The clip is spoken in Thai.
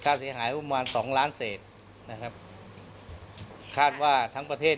เนื่องจากว่าอยู่ระหว่างการรวมพญาหลักฐานนั่นเองครับ